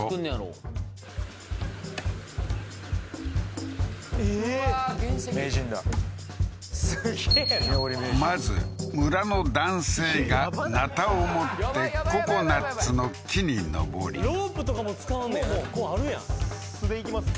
うわー原始的名人だすげえなまず村の男性がナタを持ってココナッツの木に登りロープとかも使わんねやもうもう素でいきます